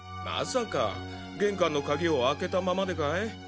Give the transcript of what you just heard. まさか玄関の鍵を開けたままでかい？